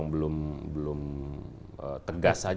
enggak beliau itu sudah berkali kali minta supaya diselesaikan